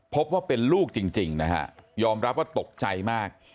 พบว่าเป็นลูกจริงนะฮะยอมรับว่าตกใจมาก